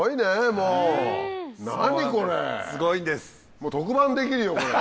もう特番できるよこれは。